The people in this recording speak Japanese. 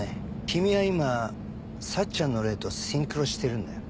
君は今幸ちゃんの霊とシンクロしてるんだよ。